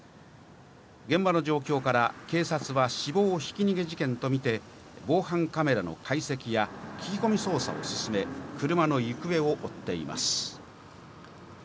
現場の状況から警察は死亡ひき逃げ事件とみて、防犯カメラの解析や聞き込み捜査を進め、車の行方を追っています。